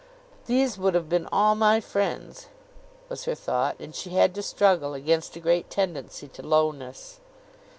"These would have been all my friends," was her thought; and she had to struggle against a great tendency to lowness.